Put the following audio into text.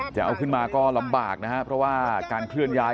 จะเอาขึ้นมาก็ลำบากนะครับเพราะว่าการเคลื่อนย้าย